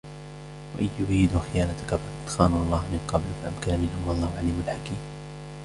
وإن يريدوا خيانتك فقد خانوا الله من قبل فأمكن منهم والله عليم حكيم